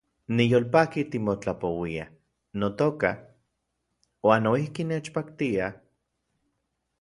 Niyolpaki timotlapouiaj, notoka , uan noijki nechpaktia